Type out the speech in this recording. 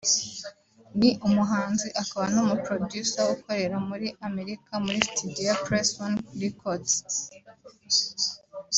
Ni umuhanzi akaba n’umuproducer ukorera muri Amerika muri studio ya Press One Records